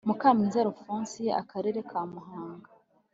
mukamwiza alphonsine akarere ka muhanga